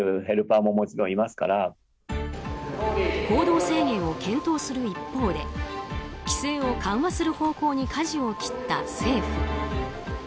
行動制限を検討する一方で規制を緩和する方向にかじを切った政府。